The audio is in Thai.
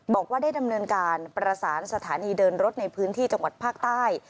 บอกว่าได้ดำเนินการประสานสถานีเดินรถในพื้นที่จังหวัดภาคใต้